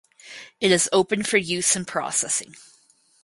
It is open for use and processing.